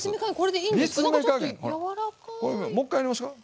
もう１回やりましょうか。